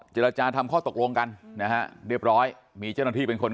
เจรจาทำข้อตกลงกันนะฮะเรียบร้อยมีเจ้าหน้าที่เป็นคน